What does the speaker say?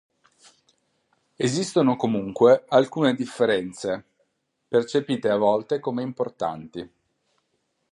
Esistono comunque alcune differenze, percepite a volte come importanti.